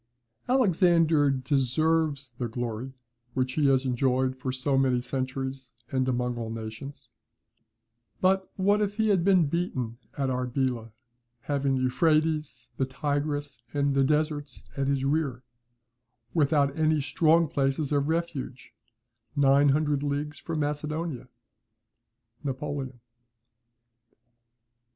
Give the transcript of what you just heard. "Alexander deserves the glory which he has enjoyed for so many centuries and among all nations; but what if he had been beaten at Arbela having the Euphrates, the Tigris, and the deserts in his rear, without any strong places of refuge, nine hundred leagues from Macedonia?" NAPOLEON.